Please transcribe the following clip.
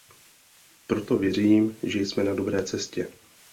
Proto věřím, že jsme na dobré cestě.